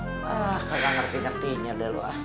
ah kagak ngerti ngertinya dah loh